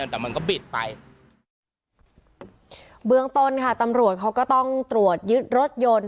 แต่มันก็บิดไปเบื้องต้นค่ะตำรวจเขาก็ต้องตรวจยึดรถยนต์